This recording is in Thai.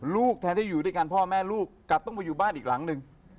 ลูกแทนที่อยู่ด้วยกันพ่อแม่ลูกกลับต้องไปอยู่บ้านอีกหลังหนึ่ง